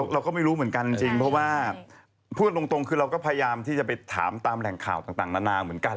เราก็ไม่รู้เหมือนกันจริงเพราะว่าพูดตรงคือเราก็พยายามที่จะไปถามตามแหล่งข่าวต่างนานาเหมือนกัน